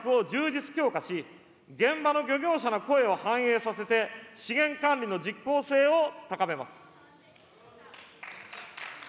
漁業収入安定策を充実・強化し、現場の漁業者の声を反映させて、資源管理の実効性を高めます。